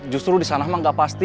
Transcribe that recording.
justru di sana emang gak pasti